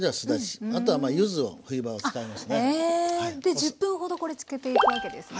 １０分ほどこれつけていくわけですね。